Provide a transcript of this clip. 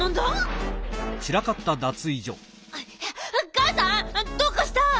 ガンさんどうかした？